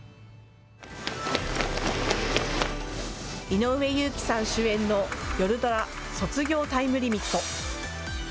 井上祐貴さん主演のよるドラ、卒業タイムリミット。